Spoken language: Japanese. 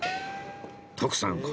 徳さん